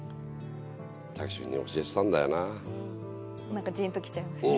なんかジーンときちゃいますね。